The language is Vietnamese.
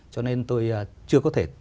cho nên tôi chưa có thể